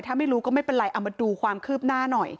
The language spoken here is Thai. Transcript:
ถ้าไม่รู้ก็ไม่เป็นไรเอามาดูความคืบหน้าหน่อย